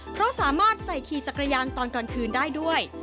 เพราะสามารถใส่ขี่จักรยานตอนกลางคืนได้ด้วย